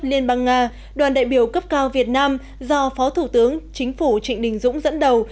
liên bang nga đoàn đại biểu cấp cao việt nam do phó thủ tướng chính phủ trịnh đình dũng dẫn đầu